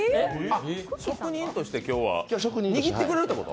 職人として今日はにぎってくれるってこと？